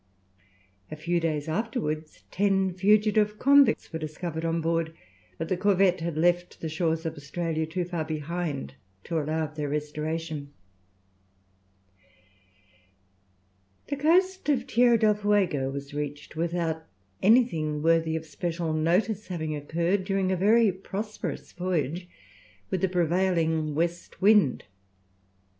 A few days afterwards ten fugitive convicts were discovered on board; but the corvette had left the shores of Australia too far behind to allow of their restoration. The coast of Tierra del Fuego was reached without anything worthy of special notice having occurred during a very prosperous voyage, with a prevailing west wind.